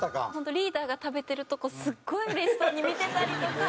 リーダーが食べてるとこすごいうれしそうに見てたりとか。